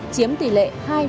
chiếm tỷ lệ hai tám mươi hai